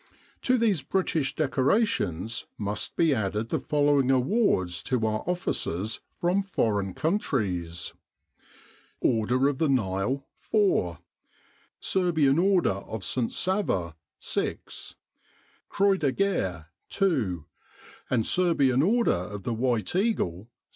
To these British decorations must be added the following awards to our officers from foreign countries: Order of the Nile (4), Ser bian Order of St. Sava (6), Croix de Guerre (2), and Serbian Order of the White Eagle (6).